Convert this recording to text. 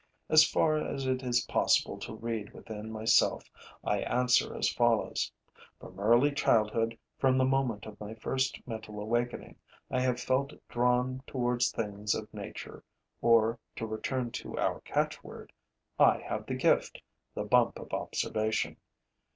As far as it is possible to read within myself, I answer as follows: 'From early childhood, from the moment of my first mental awakening, I have felt drawn towards the things of nature, or, to return to our catchword, I have the gift, the bump of observation.'